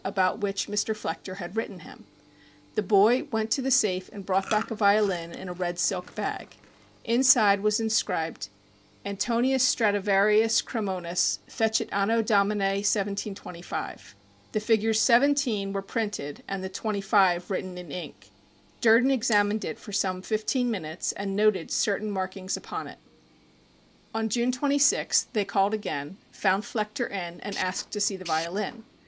about which Mr. Flechter had written him. The boy went to the safe and brought back a violin in a red silk bag. Inside was inscribed: "Antonius Stradivarius Cremonis fecit Anno Domini 1725." The figures 17 were printed and the 25 written in ink. Durden examined it for some fifteen minutes and noted certain markings upon it. On June 26th they called again, found Flechter in and asked to see the violin.